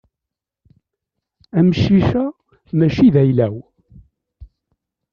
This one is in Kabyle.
Amcic-a mačči d agla-w.